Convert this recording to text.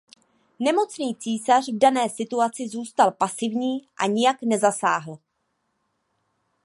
Nemocný císař v dané situaci zůstal pasivní a nijak nezasáhl.